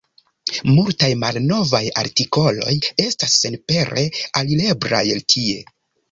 Multaj malnovaj artikoloj estas senpere alireblaj tie.